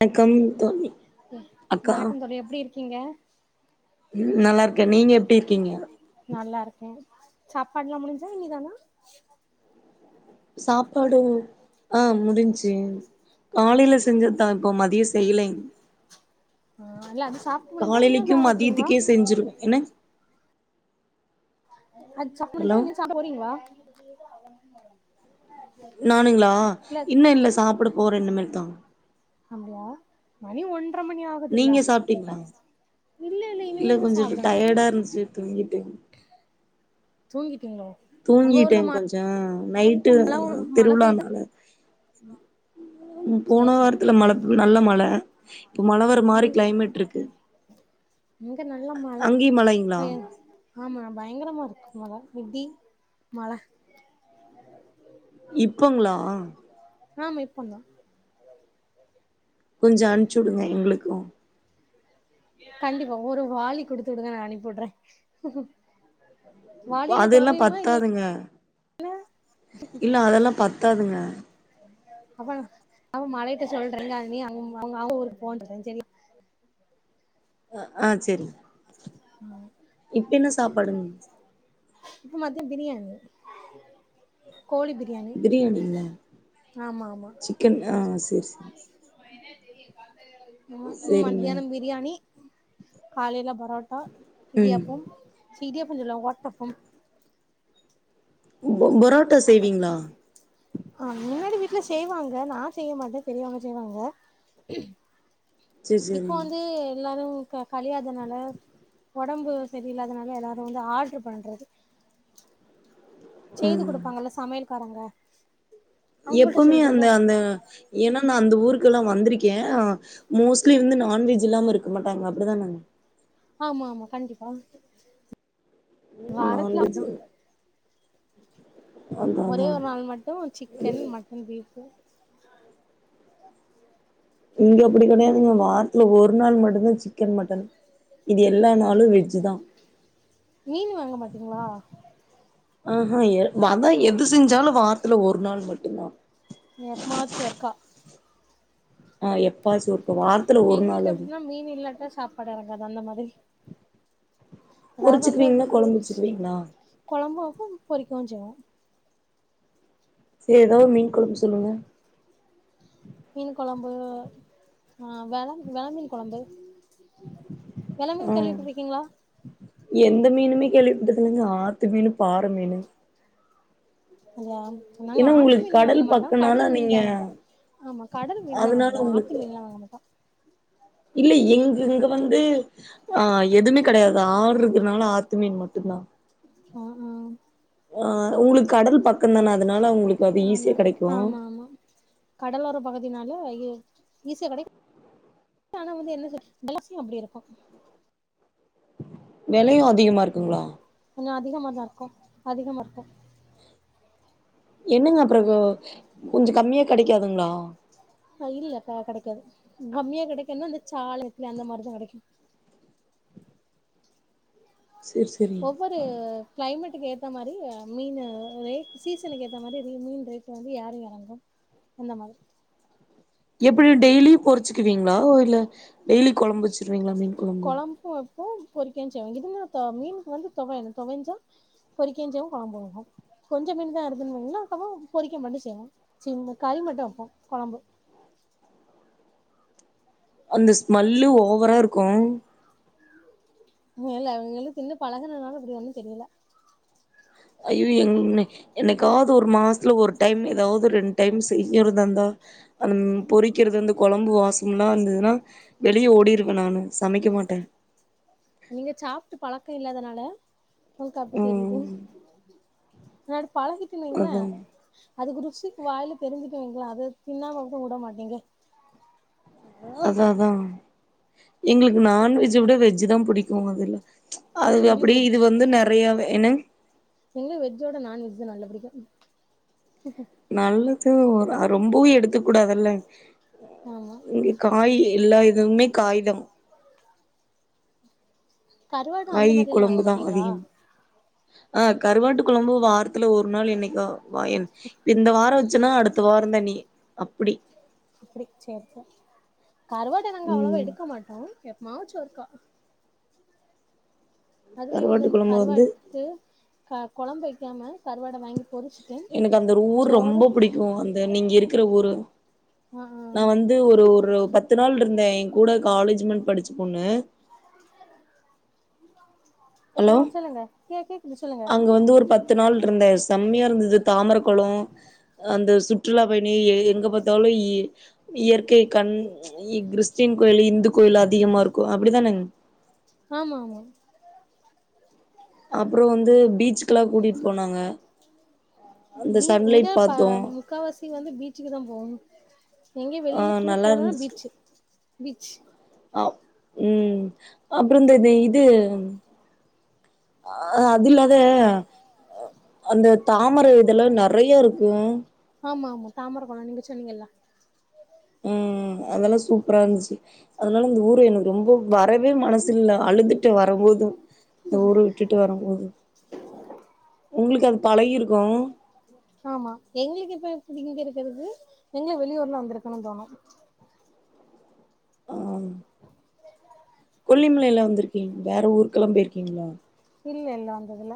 வணக்கம் தோழி அக்கா வணக்கம் தோழி எப்டி இருக்கீங்க நல்லாருக்கே நீங்க எப்டி இருக்கீங்க நல்லாருக்கோ சாப்பாடல்லா முடுஞ்சா இனி தானா சாப்பாடு ஆ முடுஞ்சு கேன் காலேல செஞ்சதா இப்போ மதியோ செய்லைங் ஆ இல்ல அது சாப்ட்டு முடிஞ்சா இனிதா காலிலிக்கு சாப்ட போறீங்களா மதியத்துக்கே செஞ்சிருவே என்னங் அ சாப்பிட ஹலோ முடிச்சா இல்ல சாப்பட போறீங்களா நானுங்களா இன்னு இல்ல சாப்பிட போறே இனிமேட்டுத அப்டியா மணி ஒன்ற மணி ஆ நீங்க சாப்டீங்ளா இல்ல இனிமேல்தா கொஞ்சோ சாப்டணு டயடா இருந்துச்சி தூங்கிட்டே தூங்கிட்டீங்களா தூங்கிட்ட கொஞ்சோ நைட்டு மழ பெய்தா திருவிழானால போன சேரி சேரி வாரத்துல மழ நல்ல மழ இப்ப மழ வர மாரி கிளைமேட்டிருக்கு இங்க நல்ல மழ அங்கியு மழைங்ளா பயங் ஆமா பயங்கரமா இருக்கு மழ இடி மழ இப்பங்களா ஆமா இப்பங்க கொஞ்ச அம்ச்சிவுடுங்க எங்களுக்கு கண்டிபா ஒரு வாலி குடுத்துடுங்க நா அனுப்பி உட்ற வாளியில தொவையுமா இல்ல ங்க இல்ல அதெல்லா பத்தாதுங்க அப்ப அவ மழயிட்ட சொல்ற நீங்க நீ [unintelligible] அவ்ங்க ஊருக்கு போன்ற செரியா ஆ செரி ம் சாப்பாடுங்க இப்ப மத்தியம் பிரியாணி கோழி பிரியாணி ஆமா ஆமா க்கன் ஆ சேரி சேரி மன தெரிய கந்த [inaudible] ம் சேரிங்க மத்தியானம் பிரியாணி காலையில பரோட்டா ம் இடியாப்பம் சி இடியாப்பம் சொல்லல ஒட்டஅப்பம் பு புரோட்டா செய்வீங்ளா ஆ முன்னாடி வீட்ல செய்வாங்க நா செய்ய மாட்ட பெரியவங்க செய்வாங்க சேரி இப்ப சேரிங்க வந்து எல்லாரு க கழியாதனால ஒடம்பு சரியிலாதனால எல்லாரு வந்து ஆட்ரு பண்றது செய்து ம் குடுபாங்கல்ல சமயல்காரங்க எப்பவுமே அந்த அந்த ஏன்னா நா அந்த ஊருக்கெலா வந்திருக்கே மோஸ்லி வந்து நான்வெஜ் இல்லாம இருக்க மாட்டாங்க அப்டிதன ஆமா ஆமா கண்டிப்பா வாரத்துல நான்வெஜ் அதா அதா ஒரே அதா ஒரு நாள் மட்டு சிக்கன் மட்டன் பீஃப் இங்க அப்டி கடையாதுங்க வாரதுல ஒரு நாள் மட்டுதா சிக் கன் மட்டன் மீதி எல்லா நாளு வெஜ் தா மீனு வாங்க மாட்டீங்ளா ஆஹா எ நாதா எது செஞ்சாலு வாரத்துல ஒரு நாள் மட்டு்தா எப்மாச்சு ஒருக்கா ஆ எப்பாசு ஒர்க வா எங்ளுக்கு எப்டினா மீன் இல்லாட்டா சாப்பாடு எரங்காது அந்த மாதிரி அதாவது பொரிச்சுக்குவீங்களா வந்தப்ப கொழம்பு ஒச் வச்சுக்குவீங்களா கொழம்பும்வப்போ பொறிக்கவு செய்வோ செரி எதோ ஒரு மீன் கொழம்பு சொல்லுங்க மீன் கொழம்பு ஆ வெளா வெறா மீன் கொழம்பு வெல மீன் ஆ கேள்வி பட்ருகீங்ளா எந்த மீனுமே கேள்விபட்டதில்லங்க ஆத்து மீனு பாற மீனு அதா நாங்க ஏன்னா ஆத்து உங்களுக்கு மீன்லா வாங்க கடல் மாட்டோ பக்கனால கடல் மீன் நீங்க தா ஆமா கடல் மீன் தா அதனால வாங்குவோ உங்களுக்கு ஆத்து மீன்லா வாங்க மாட்டோ இல்ல எங் இங்க வந்து ஆ எதுமே கெடையாது ஆறுக அனாலு ஆத்து மீன் மட்டுந்தா [unintelligible] ஆ உங்ளுக் கடல் பக்கந்தான அதனால உங்ளுக்கு அது ஈஸியா ஆமா கெடைக்கு ஆமா ஆமா கடலோர பகுதினால ஈசிய கெடை ஆனா வந்து என்ன [unintelligible] அப்டி இருக்கு வெலையு அதிகமா இருக்குங்ளா கொஞ்சொ அதிகமாதா இருக்கு அதிகமா இருக்கு என்னங்க அப்றொ கொஞ்சொ கம்மியா கெடைக்காதுங்ளா இல்ல க கெடைக்காது கம்மியா கெடைக்கன்னா இந்த சால இர்குல அந்த மாரிதா கெடைக்கு செர் செ ஒவ்வொரு க்ளைமெட்டுக்கு ஏத்த மாரி மீனு ரே சீசனுக்கு ஏத்த மாரி மீன் ரேட் வந்து ஏறு எறங்கு அந்த மாதிரி எப்டி டெய்லியு பொருச்சுக்குவீங்ளா இல்ல டெய்லி கொழம்புச்சு கொழம்பு வப்போ பொரிக்கவு செய்வோ இதுன மீன்க்கு வந்து தோவையணு தொவைஞ்சா பொரிக்கவு செய்வோ கொழம்பு வப்பொ கொஞ்ச மீன் தா [unintelligible] அப்போ பொரிக்க மட்டு செய்வோ சி கறி மட்டு வப்போ கொழம்பு அந்த ஸ்மெல்லு ஓவரா இருக்கு ம் இல்ல அவுகளு திண்ணு பழகனனால அப்டி ஒன்னு தெரியல ஐயோ என்ன என்னெக்காது ஒரு மாஸ்துல ஒரு டைம் எதாது ரெண்டு டைம் செய் எவ்ரு தந்தா அந்தம் பொறிக்கிறது அந்த கொழம்பு வாசம்லா வந்ததுனா வெளியே ஓடிருவ நானு சமைக்க மாட்டெ நீங்க சாப்ட்டு பழக்க இல்லாதனால உங்ளுக்கு அப்டி தெரியுது ம் முனாடி பழகிட்டுனு வைங்ளே அதாங்க அதுக்கு ருசி வாயில தெரிஞ்சுட்டு வைங்ளே அத தின்னாம உடமாட் எங்க அதா அதா எங்ளுக்கு நான்வெஜ்ஜ விட வெஜ் தா புடிக்கு மொதல அதுவெ எங்களுக்கு அப்டி இது வெஜ் வந்து நெறையாவே என்னங் எங்ளு வெஜ்ஜோட நான்வெஜ் நல்ல பிடிக்கு நல்லது அ ரொம்பவு எடுத்துக் கூடாதல்ல ஆமா இங்க காய் எல்லா இதுமே காயிதம் கருவாடு அந்த காய் மாரிலாம் வாங்க கொழம்புதா மாட்டீங்களா அதிகம் ஆ கருவாட்டு கொழம்பு வாரத்துல ஒரு நாள் என்னைக்கா வாயன் இந்த வாரொ வச்சன்னா அடுத்த வாரந்த இனி அப்டி அப்டி சேரி சே கருவாட்ட நாங்க அவ்ளவ ம் எடுக்க மாட்டோ எப்பமாச்சு ஒருக்கா அதுலயு வந்து கருவாட்டு அந்த கொழம்பு வந்து கருவாட் எட்த்து கொழம்பு வைக்காம கருவாட வாங்கி பொறுச்ட்டு சோறு ஓ அந்த நீங்க இருக்கிற ஊரு ஆ ஆ நா வந்து ஒரு ஒரு பத்து நாள் இருந்தே எ கூட காலேஜ் மென் படுச்ச பொண்ணு ஆ சொல்லுங்க கே கேக்குது சொல்லுங்க இங்க வந்து ஒரு பத்து நாள் இருந்தே செம்மயா இருந்தது தாமர கொளொ அந்த சுற்றுலா பயணி எ எங்க பாத்தாலு இ இயற்கை கண் இ கிறிஸ்டின் கோயில் இந்து கோயில் அதிகமா இருக்கும் அப்படிதானங் ஆமா ஆமா அப்புறம் வந்து பீச்சுக்கெல்லாம் கூட்டிட்டு போனாங்க அந்த பீ சன்லைட் இங்க பா பாத்தோ முக்காவாசி வந்து பீச்சுக்கு தான் போணும் எங்க ஆ வெளியில டூர் நல்லா போனும்னா இருந்துச்சு பீச்சு பீச் ஆ உம் அப்புறம் இந்த இது ஆ அது இல்லாத அந்த தாமரை இதெல்லாம் நெறைய இருக்கும் ஆமா ஆமா தாமரக்கொளம் நீங்க சொன்னீங்கல்ல உம் அதெல்லாம் சூப்பரா இருந்துச்சு அதனால இந்த ஊரு எனக்கு ரொம்ப வரவே மனசில்ல அழுதுட்டு வரும்போது இந்த ஊரு விட்டுட்டு வரம் போது உங்குளுக்கு அது பழகிருக்கும் ஆமா எங்குளுக்கு இப்ப எப்பிடி இங்க இருக்கிறது எங்க வெளியூர்ல வந்திருக்கனு தோணு ஆ கொல்லிமலைல வந்திருக்கீங்க வேற ஊருக்கெல்லாம் போயிருக்கீங்களா இல்ல இல்ல வந்ததுல்ல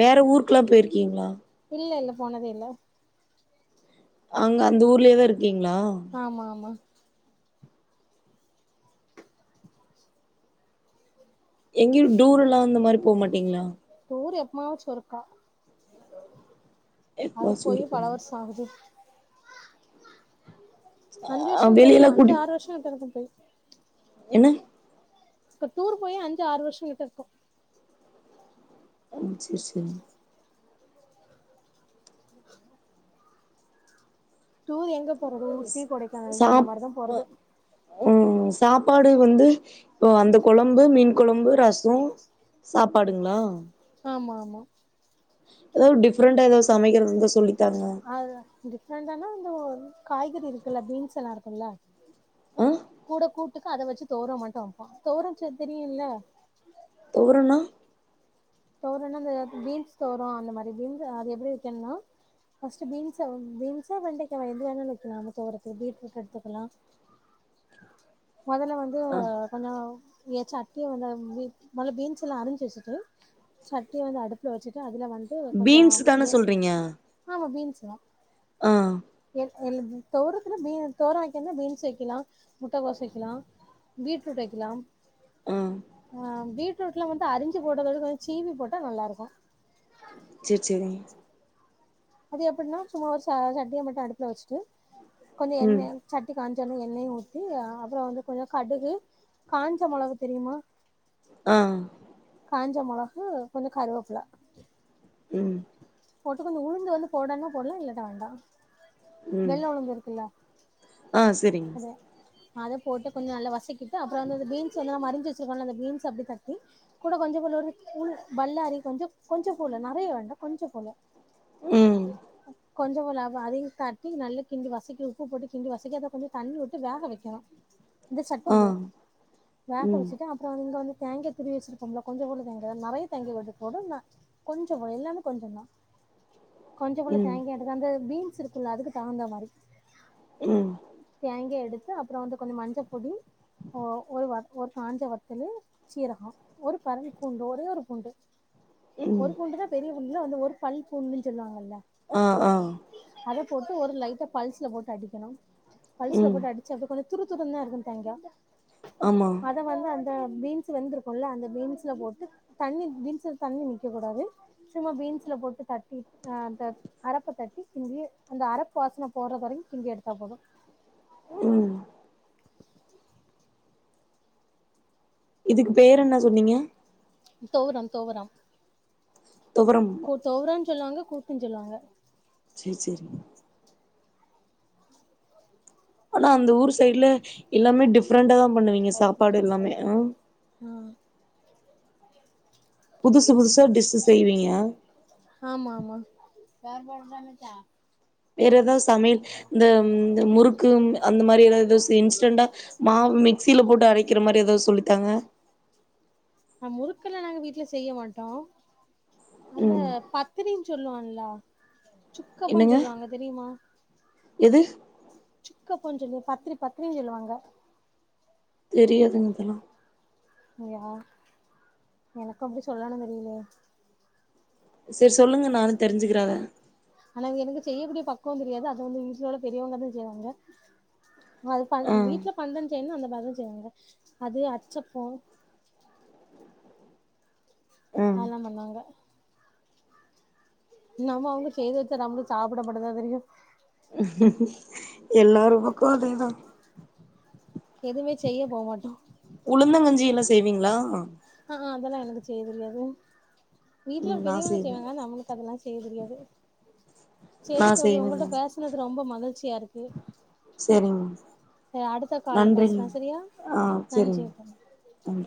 வேற ஊருக்குல்லாம் போயிருக்கீங்களா இல்ல இல்ல போனதே இல்ல அங்க அந்த ஊர்லயேதா இருக்கீங்களா ஆம ஆமா எங்கயும் டூர் எல்லாம் அந்த மாரி போமாட்டீங்களா டூர் எப்பமாச்சு ஒருக்கா அது எப்பவாச்சு போயி இருக்கு பல வருஷம் ஆகுது அஞ்சு ஆ வருஷம் கிட்ட வெளியெல்லா இருக்கும் அஞ்சு கூட்டிட் ஆறு வருஷம் கிட்ட இருக்கும் போயி என்ன இப்ப டூர் போயி அஞ்சு ஆறு வருஷம் கிட்ட இருக்கும் ம் செரி செரி டூர் எங்க போறது ஊட்டி கொடைக்கானல் தான் அந்த மாதிரிதான் போறது உம் சாப்பாடு வந்து ஓ அந்த குழம்பு மீன் குழம்பு ரசம் சாப்பாடுங்களா ஆமா ஆமா எதாவது டிப்ரெண்டா எதாவது சமைக்கிறது இந்தா சொல்லு ஆ டிஃப்ரெண்டானா வந்து காய்கறி இருக்குல்ல பீன்ஸ் எல்லாம் இருக்கும்ல்ல ஆ கூட கூட்டுக்கு அத வச்சு தொவர மட்டும் வப்போம் தொவர தெரியும்ல தொவரணா தொவரணா ஸஃபா இந்த பீன்ஸ் தொவர அந்த மாதிரி [inaudible] அது எப்பிடி வெக்கணும் ஃபஸ்ட்டு பீன்ஸ் பீன்ஸா வெண்டைக்காவ எது வேணுனாலு வெக்கலா அந்த தொவரைக்கு பீட்ரூட் எடுத்துக்கலாம் மொதல்ல வந்து ஆ [unintelligible] மொதல்ல பீன்ஸ் எல்லாம் அரிஞ்சுவச்சிட்டு சட்டிய வந்து அடுப்புல வச்சுட்டு அதுல வந்து கொஞ்சோ பீன்ஸ் தான கேஸ் சொல்றீங்க ஆமா பீன்ஸ்க ஆ எ தொவரத்துல பீன்ஸ் தொவர வெக்கந்தா பீன்ஸ் வெக்கலாம் முட்டைக்கோஸ் வெக்கலாம் பீட்ரூட் வெக்கலாம் ஆ ஆ பீட்ரூட் எல்லாம் வந்து அரிஞ்சு போட்டதோட கொஞ்சோ சீவி போட்டா நல்லா இருக்கும் சேர் சேரிங்க அது எப்டின்னா சும்மா ஒரு ச சட்டிய மட்டு அடுப்புல வச்சுட்டு கொஞ்சோ ம் எண்ணெ சட்டி காஞ்சொன்னே எண்ணெய ஊத்தி அப்புறோ வந்து கொஞ்சோ கடுகு காஞ்ச மொளகு தெரியுமா ஆ காஞ்ச மொளகு கொஞ்சோ கருவேப்புல ம் போட்டு கொஞ்சோ உழுந்து வந்து போடலானா போடலா இல்லாட்டி வேண்டா ம் வெள்ள உழுந்து இருக்குல்ல ஆ சரிங்க அத அத போட்டு கொஞ்சோ நல்ல வசக்கிட்டு அப்புற வந்து அந்த பீன்ஸ் வந்து நம்ம அரிஞ்சு வச்சிருக்கோல அந்த பீன்ஸ அப்டி தட்டி கூட கொஞ்சோ கூட ஃபூல் பல்லாரி கொஞ்சோ கொஞ்சோ போடலா நெறையா வேண்டா கொஞ்சோ போல ம் கொஞ்சோ போல அவ் அதையு காட்டி நல்ல கிண்டி வசிக்கி உப்பு போட்டு கிண்டி வசக்கி அதை கொஞ்சோ தண்ணி விட்டு வேக வைக்கணு இந்த ஆ சட்டிலே வேக ம் வச்சுட்டு அப் அப்புறோ அங்க வந்து தேங்கா திருவி வச்சிருப்போம்ல கொஞ்சோனு தேங்கா நெறையா தேங்க மட்டு போதும்னா கொஞ்சோ போல எல்லாமே கொஞ்சந்தா கொஞ்சோகுள்ள ம் தேங்கா அது வந்து பீன்ஸ் இருக்குல்ல அதுக்கு தகுந்த மாரி ம் தேங்க எடுத்து அப்றோ வந்து கொஞ்சோ மஞ்ச பொடி ஓ ஒரு வா ஒரு காஞ்ச வத்தலு சீரகோ ஒரு பரன் பூண்டு ஒரே ஒரு பூண்டு ம் ஒரு பூண்டுதா பெரிய புண்ல வந்து ஒரு பல் பூண்டுனு சொல்லுவாங்ல்ல ஆ ஆ அத போட்டு ஒரு லைட்ட பல்ஸ்ல போட்டு அடிக்கணு பல்ஸ்ல ம் போட்டு அடிச்சு அப்டியே கொஞ்சோ துரு துரு தா இருக்கு தேங்கா ஆமா அத வந்து அந்த பீன்ஸ் வெந்திருக்கும்ல அந்த பீன்ஸ்ல போட்டு தண்ணி பீன்ஸ்ல தண்ணி நிக்க கூடாது சில பீன்ஸ்ல போட் ட்டு தட்டிட்டு அ அந்த அரப்பு தட்டி கிண்டி அந்த அரப்பு வாசன போறது வரைக்கு கிண்டி எடுத்தா போது ம் இதுக்கு பேர் என்ன சொன்னீங்க தொவரம் தொவரம் தொவரம் ஓ தொவரம் சொல்லுவாங்க கூட்டுன் சொல்லுவாங்க சேர் சேரிங் ஆனா அந்த ஊர் சைட்ல எல்லாமே டிஃப்ரெண்டா தா பண்ணுவீங்க சாப்பாடு எல்லாமே ஆ ஆ புதுசு புதுசாக டிஷ்ஷு செய்வீங்க ஆமா ஆமா வேற ஏதா சமையல் இந்த ம் இந்த முறுக்கு ம் அந்த மாரி ஏத ஏத செய்ன் இன்ஸ்டன்டா மாவு மிக்சியில போட்டு அறைக்கற மாரி ஏதோ சொல்லித்தாங்க நா முறுக்கல்ல நாங்க வீட்டுல செய்ய மாட்டோ அந்த ம் பத்திரி சொல்லுவான்லா சுக்கப்பம் என்னங்க சொல்லுவாங்க தெரியுமா எது சுக்க போன்ஞ்னு பத்ரி பத்ரின் சொல்லுவாங்க தெரியாதுங்க இதல்லா யா எனக்கு அப்டி சொல்லன்னு தெரியலே செரி சொல்லுங்க நானு தெரிஞ்சிக்கிற அத ஆனா எனக்கு செய்யக்கூடிய பக்குவ தெரியாது அத வந்து வீட்ல உள்ள பெரியவங்க தா செய்வாங்க அது பன் ஆ அ வீட்ல பண்டன் செய்ன்னா அந்த மாரி தா செய்வாங்க அது அச்சப்போ ஆ அதல்லா பண்வாங்க நம்மோ அவ்ங்க செய்து வச்சா நம்ளுக் சாப்ட மட்டுதா தெரியு எல்லாரு பக்கோ அதே தா எதுமே செய்ய போ மாட்டோ உளுந்தங்கஞ்சி எல்லா செய்வீங்ளா ஆ அ அதெல்லா எனக்கு செய்யதெரியாது வீட்ல ம் நா பெரியவங்க செய்வே செய்வாங்க நம்ளுக்கு அதெல்லா செய்ய தெரியாது நா சேரி தோழி செய்வேங்க உங்களட்ட பேசனது ரொம்ப மகிழ்ச்சியாருக்கு சரிங்க சே அடுத்த கால்ல நன்றிங்க பேஸ்லா சரியா ஆ நன்றி சரிங்க அப்ப ம்